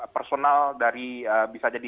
personal dari bisa jadi